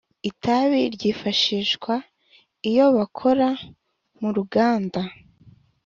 itabi ryifashishwa iyo bakora mu ruganda